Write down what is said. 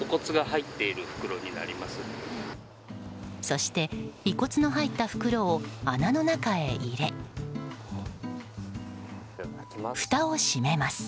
そして、遺骨の入った袋を穴の中へ入れ、ふたを閉めます。